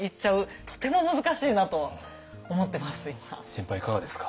先輩いかがですか？